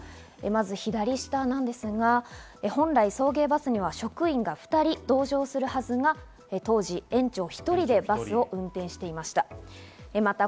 まず左下ですが、本来送迎バスには職員が２人同乗するはずが、当時、園長１人でバスを運転していました。